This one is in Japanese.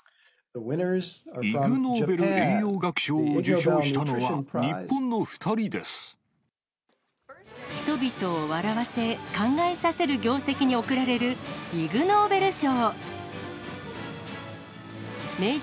イグ・ノーベル栄養学賞を受人々を笑わせ、考えさせる業績に贈られるイグ・ノーベル賞。